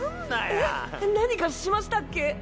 えっ何かしましたっけ？